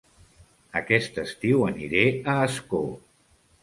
Aquest estiu aniré a Ascó